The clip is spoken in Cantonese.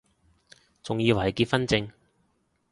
仲以為係結婚証